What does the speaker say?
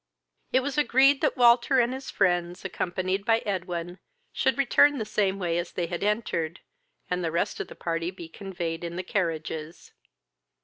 It was agreed that Walter and his friends, accompanied by Edwin, should return the same way as they had entered, and the rest of the party be conveyed in the carriages.